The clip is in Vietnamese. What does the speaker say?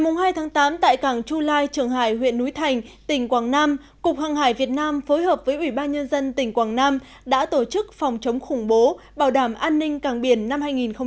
ngày hai tháng tám tại cảng chu lai trường hải huyện núi thành tỉnh quảng nam cục hàng hải việt nam phối hợp với ủy ban nhân dân tỉnh quảng nam đã tổ chức phòng chống khủng bố bảo đảm an ninh cảng biển năm hai nghìn một mươi chín